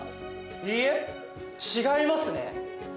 いいえ違いますね！